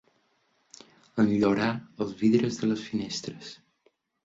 Enllorar els vidres de les finestres.